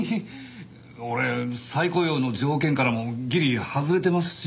俺再雇用の条件からもギリ外れてますし。